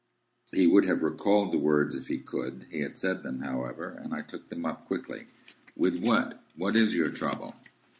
He would have recalled the words if he could. He had said them, however, and I took them up quickly. "With what? What is your trouble?"